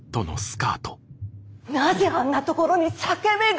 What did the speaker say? なぜあんなところに裂け目が！